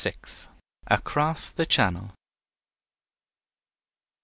ACROSS THE CHANNEL.